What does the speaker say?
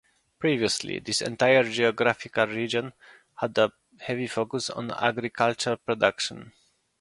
Previously, this entire geographical region had a heavy focus on agricultural production.